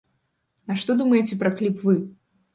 А што думаеце пра кліп вы?